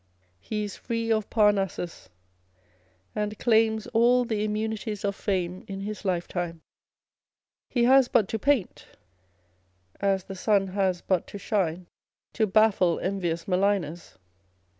He is free of Parnassus, and claims all the immunities of fame in his lifetime. He has but to paint (as the sun has but to shine), to baffle On the Old Age of Artists. 123 envious maligners.